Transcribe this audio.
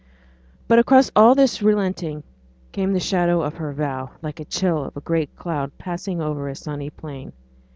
But across all this relenting came the shadow of her vow like the chill of a great cloud passing over a sunny plain.